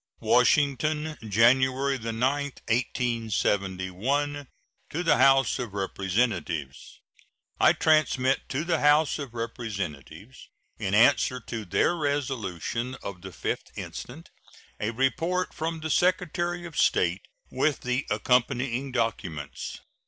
] WASHINGTON, January 9, 1871. To the House of Representatives: I transmit to the House of Representatives, in answer to their resolution of the 5th instant, a report from the Secretary of State, with the accompanying documents.